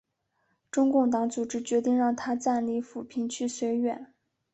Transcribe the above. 中共党组织决定让他暂离阜平去绥远。